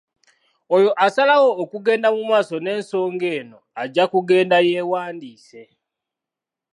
Oyo asalawo okugenda mu maaso n’ensonga eno ajja kugenda yeewandiise.